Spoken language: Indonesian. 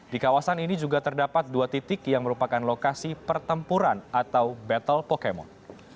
di kawasan ini juga terdapat dua titik yang merupakan lokasi pertempuran atau battle pokemon